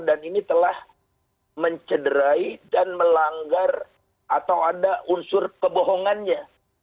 dan ini telah mencederai dan melanggar atau ada unsur kebohongannya